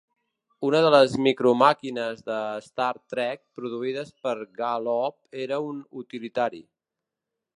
Una de les micro màquines de "Star Trek" produïdes per Galoob era un utilitari.